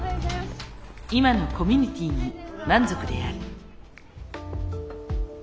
今のコミュニティーに満足である。